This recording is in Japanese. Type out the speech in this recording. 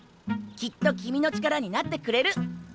きっと君の力になってくれる。